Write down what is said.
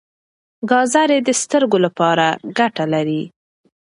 ګازرې د سترګو لپاره ګټه لري.